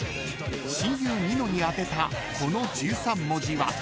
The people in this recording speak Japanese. ［親友ニノに宛てたこの１３文字は］